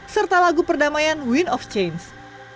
serta lagu perdamaian win of change